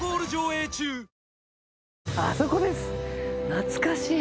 懐かしい。